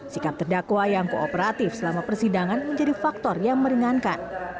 sikap terdakwa yang kooperatif selama persidangan menjadi faktor yang meringankan